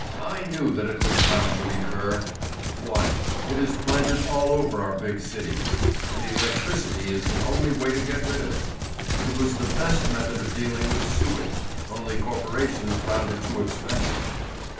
"I knew that it was bound to recur again. Why, it is planted all over our big cities. And electricity is the only way to get rid of it. It was the best method of dealing with sewage, only corporations found it too expensive.